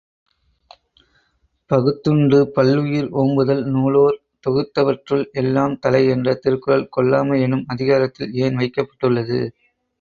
பகுத்துண்டு பல்லுயிர் ஒம்புதல் நூலோர் தொகுத்துவற்றுள் எல்லாம் தலை என்ற திருக்குறள், கொல்லாமை எனும் அதிகாரத்தில் ஏன் வைக்கப்பட்டுள்ளது?